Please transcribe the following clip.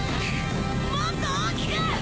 もっと大きく！